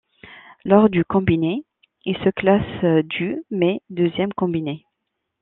Lors du combiné, il se classe du mais deuxième combiné.